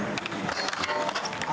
あ。